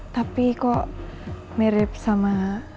tapi kok mirip sama